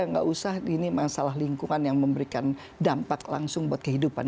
nggak usah ini masalah lingkungan yang memberikan dampak langsung buat kehidupan